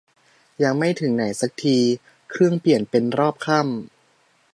ยังไม่ถึงไหนซักที เครื่องเปลี่ยนเป็นรอบค่ำ